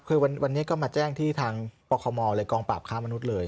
คือวันนี้ก็มาแจ้งที่ทางปคมเลยกองปราบค้ามนุษย์เลย